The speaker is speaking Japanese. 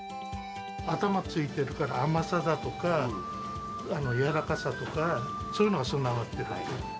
頭ついてるから、甘さだとか、柔らかさとか、そういうのが備わってる。